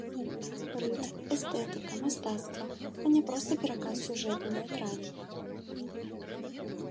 Рытм, эстэтыка, мастацтва, а не проста пераказ сюжэту на экране.